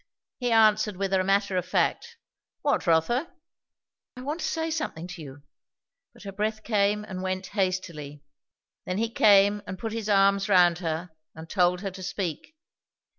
He answered with a matter of fact "What, Rotha?" "I want to say something to you " But her breath came and went hastily. Then he came and put his arms round her, and told her to speak.